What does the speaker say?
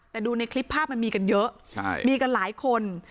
แต่ดูในคลิปภาพมันมีกันเยอะมีกันหลายคน